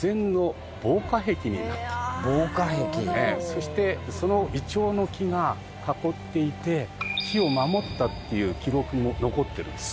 そしてそのイチョウの木が囲っていて火を守ったっていう記録も残ってるんです。